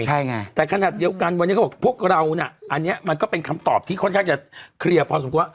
ใช่ไงแต่ขนาดเดียวกันวันนี้เขาบอกพวกเราน่ะอันนี้มันก็เป็นคำตอบที่ค่อนข้างจะเคลียร์พอสมควร